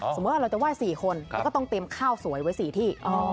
สมมุติว่าเราจะไห้๔คนเราก็ต้องเตรียมข้าวสวยไว้๔ที่